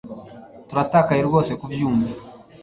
Turatakaye rwose kubyumva